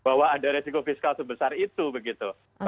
bahwa ada resiko fiskal sebesar itu begitu